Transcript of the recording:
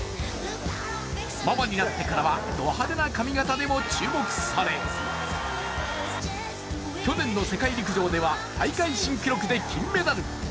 ママになってからはド派手な髪形でも注目され、去年の世界陸上では大会新記録で金メダル。